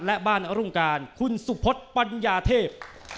และบ้านอรุ่งการคุณสุพธปัญญาเทพ